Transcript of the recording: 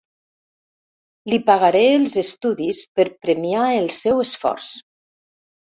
Li pagaré els estudis per premiar el seu esforç.